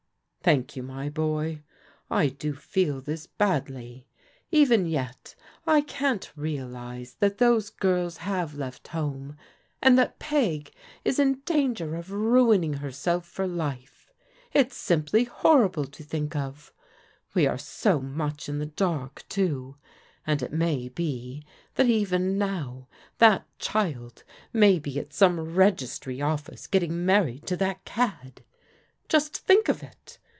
"Thank you, my boy. I do feel this badly. Even yet I can't realize that those girls have left home, and that Peg is in danger of ruining herself for life. It's simply horrible to think of. We are so much in the dark, too, and it may be that even now that child may be at some registry office getting married to that cad. Just think of it